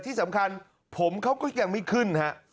ที่สำคัญผมเขาก็ยังไม่ขึ้นฮะ